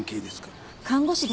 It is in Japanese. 看護師ですけど。